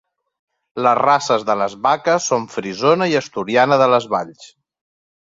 Les races de les vaques són frisona i asturiana de les Valls.